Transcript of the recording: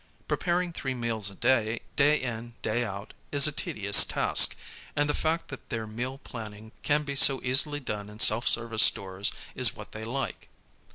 Preparing three meals a day, day in day out, is a tedious task, and the fact that their meal planning can be so easily done in self service stores is what they like.